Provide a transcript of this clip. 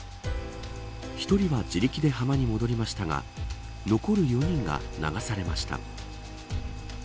１人は自力で浜に戻りましたが残る４人が流されました。